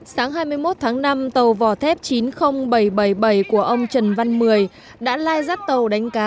sáng hai mươi một tháng năm tàu vỏ thép chín mươi nghìn bảy trăm bảy mươi bảy của ông trần văn mười đã lai rắt tàu đánh cá